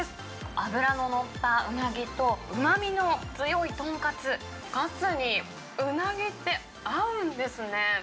脂の乗ったうなぎと、うまみの強い豚カツ、カツにうなぎって合うんですね。